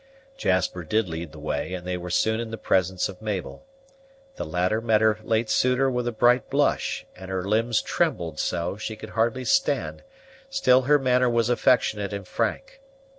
Jasper did lead the way, and they were soon in the presence of Mabel. The latter met her late suitor with a bright blush, and her limbs trembled so, she could hardly stand; still her manner was affectionate and frank.